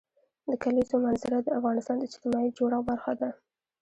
د کلیزو منظره د افغانستان د اجتماعي جوړښت برخه ده.